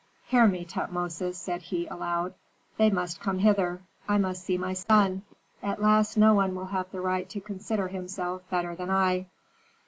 "Hear me, Tutmosis," said he, aloud. "They must come hither; I must see my son. At last no one will have the right to consider himself better than I."